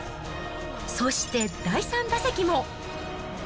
そして第３打席も。